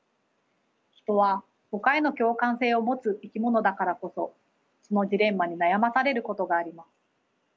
人はほかへの共感性を持つ生き物だからこそそのジレンマに悩まされることがあります。